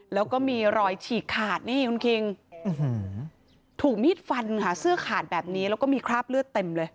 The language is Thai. แล้วก็มีรอยฉีกขาดนี่คุณคิงถูกมีดฟันค่ะเสื้อขาดแบบนี้แล้วก็มีคราบเลือดเต็มเลย